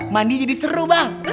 mandi jadi seru bang